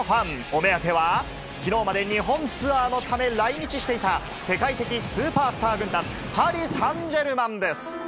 お目当ては、きのうまで日本ツアーのため来日していた、世界的スーパースター軍団、パリ・サンジェルマンです。